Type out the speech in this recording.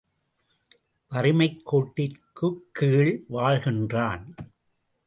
வறுமைக்கோட்டிற்குக் கீழ் வாழ்கின்றான்.